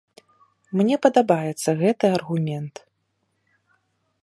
Мне падабаецца гэты аргумент.